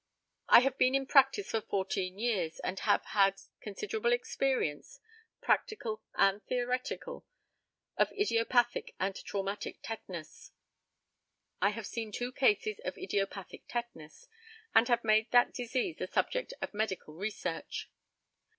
I have been in practice for fourteen years, and have had considerable experience, practical and theoretical, of idiopathic and traumatic tetanus. I have seen two cases of idiopathic tetanus, and have made that disease the subject of medical research.